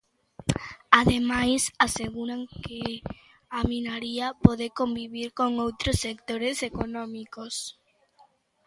Ademais, aseguran que a minaría pode "convivir" con outros sectores económicos.